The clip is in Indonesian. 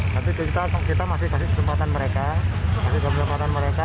tapi kita masih kasih kesempatan mereka